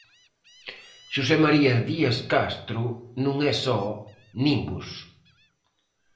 Xosé María Díaz Castro non é só 'Nimbos'.